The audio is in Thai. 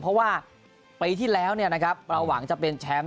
เพราะว่าปีที่แล้วเราหวังจะเป็นแชมป์